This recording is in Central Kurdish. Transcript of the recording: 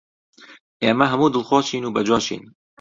ئێمە هەموو دڵخۆشین و بەجۆشین